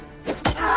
ああ！